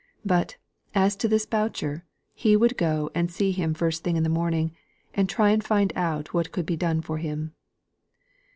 But as to this Boucher, he would go and see him the first thing in the morning, and try and find out what could be done for him.